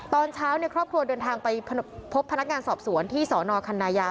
ตอนเช้าครอบครัวเดินทางไปพบพนักงานสอบสวนที่สนคันนายา